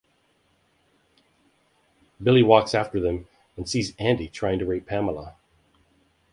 Billy walks after them and sees Andy trying to rape Pamela.